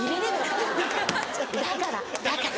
だからだから。